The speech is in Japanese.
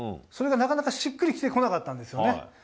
それが、なかなかしっくりこなかったんですね。